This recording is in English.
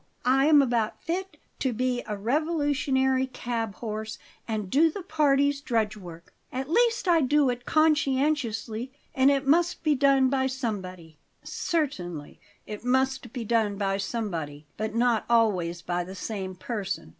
I am about fit to be a revolutionary cab horse, and do the party's drudge work. At least I do it conscientiously, and it must be done by somebody." "Certainly it must be done by somebody; but not always by the same person."